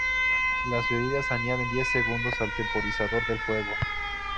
Las bebidas añaden diez segundos al temporizador del juego.